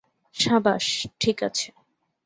সাবাস -ঠিক আছে।